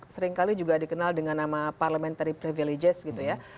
seringkali juga dikenal dengan nama parliamentary privileges gitu ya